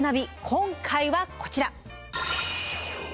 今回はこちら！